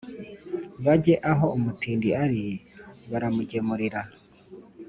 bajye aho umutindi ari, baramugemurira.